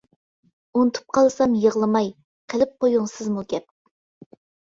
ئۇنتۇپ قالسام يىغلىماي، قىلىپ قۇيۇڭ سىزمۇ گەپ.